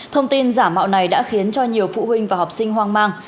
thông tin giả mạo này đã khiến cho nhiều phụ huynh và học sinh hoang mang